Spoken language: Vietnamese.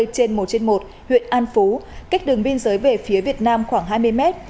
trong ngày hai mươi sáu mươi trên một một huyện an phú cách đường biên giới về phía việt nam khoảng hai mươi mét